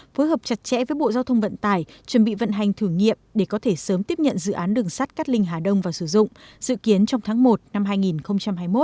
phối hợp chặt chẽ với bộ giao thông vận tải chuẩn bị vận hành thử nghiệm để có thể sớm tiếp nhận dự án đường sắt cát linh hà đông vào sử dụng dự kiến trong tháng một năm hai nghìn hai mươi một